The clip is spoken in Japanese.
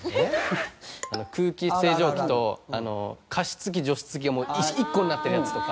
空気清浄機と加湿器除湿器が１個になってるやつとか。